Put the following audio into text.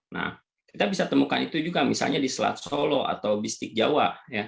nah kita bisa temukan itu juga misalnya di selat solo atau bistik jawa